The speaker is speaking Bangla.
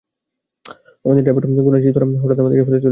আমাদের ড্রাইভার গুনাচিথরাম হঠাৎ আমাদেরকে ফেলে চলে গেছে।